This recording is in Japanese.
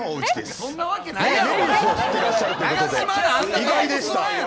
そんなわけないやろ！